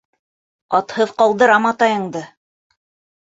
Атһыҙ ҡалдырам атайыңды!